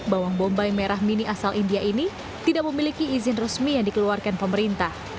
bawang bombay merah mini asal india ini tidak memiliki izin resmi yang dikeluarkan pemerintah